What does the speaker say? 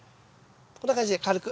こんな感じで軽く。